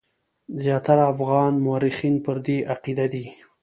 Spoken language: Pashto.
زیاتره افغاني مورخین پر دې عقیده دي.